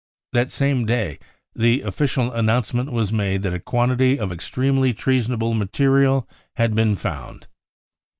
That same day the official announcement was made that a quantity of extremely treasonable material had been found.